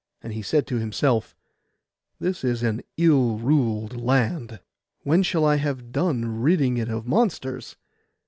And he said to himself, 'This is an ill ruled land; when shall I have done ridding it of monsters?